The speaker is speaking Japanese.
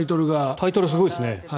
タイトルすごいですね。